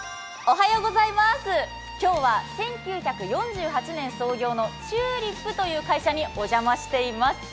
今日は１９４８年創業のチューリップという会社にお邪魔しています。